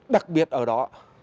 đặc biệt ở đó